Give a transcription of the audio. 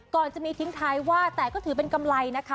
ก่อนจะมีทิ้งท้ายว่าแต่ก็ถือเป็นกำไรนะคะ